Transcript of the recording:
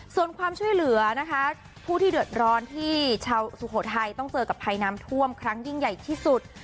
ส่วนความช่วยเหลือนะคะผู้ที่เดือดร้อนที่ชาวสุโขทัยต้องเจอกับภัยน้ำท่วมครั้งยิ่งใหญ่ที่สุด